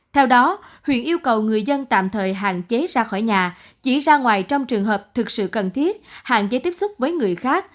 theo đó huyện yêu cầu người dân tạm thời hạn chế ra khỏi nhà chỉ ra ngoài trong trường hợp thực sự cần thiết hạn chế tiếp xúc với người khác